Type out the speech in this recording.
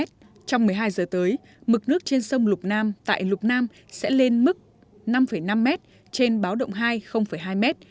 trong một mươi hai giờ tới mực nước trên sông lục nam tại lục nam sẽ lên mức năm năm m trên báo động hai hai m